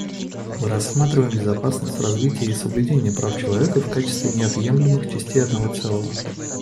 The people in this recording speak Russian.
Мы рассматриваем безопасность, развитие и соблюдение прав человека в качестве неотъемлемых частей одного целого.